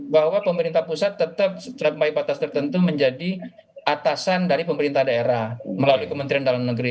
bahwa pemerintah pusat tetap baik batas tertentu menjadi atasan dari pemerintah daerah melalui kementerian dalam negeri